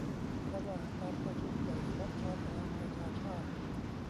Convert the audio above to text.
ระหว่างการประชุมใหญ่สมัชชาสหประชาชาติ